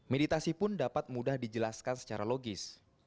meditasi pun dapat mudah dijelaskan secara logis